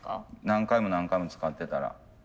何回も何回も使ってたら。